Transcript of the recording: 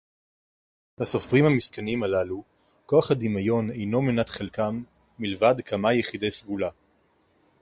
הסופרים המסכנים הללו, כוח הדמיון אינו מנת חלקם מלבד כמה יחידי סגולה